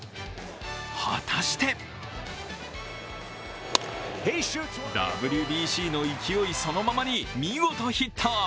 果たしてＷＢＣの勢いそのままに見事ヒット。